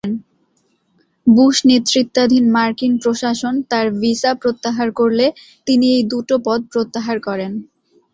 Bush নেতৃত্বাধীন মার্কিন প্রশাসন তার ভিসা প্রত্যাহার করলে তিনি এই দু'টো পদ প্রত্যাহার করেন।